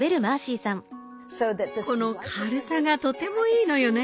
この軽さがとてもいいのよね。